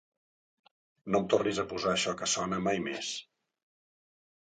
No em tornis a posar això que sona mai més.